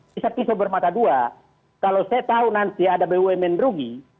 kisah pisau bermata dua kalau saya tahu nanti ada bumn rugi